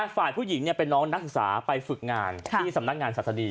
ฝ่ายผู้หญิงเป็นน้องนักศึกษาไปฝึกงานที่สำนักงานศาสดี